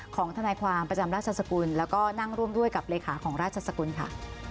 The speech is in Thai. ของทนายความประจำราชสกุลแล้วก็นั่งร่วมด้วยกับเลขาของราชสกุลค่ะ